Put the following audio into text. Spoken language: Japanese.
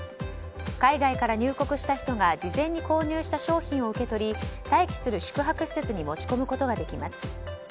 海外から入国した人が事前に購入した商品を受け取り待機する宿泊施設に持ち込むことができます。